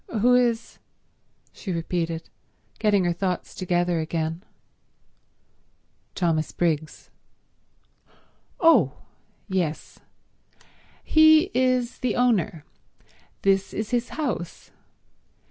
"Who is—?" she repeated, getting her thoughts together again. "Thomas Briggs." "Oh. Yes. He is the owner. This is his house.